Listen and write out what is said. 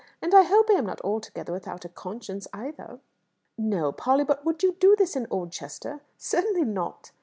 "And I hope I am not altogether without a conscience either." "No, Polly; but would you do this in Oldchester?" "Certainly not."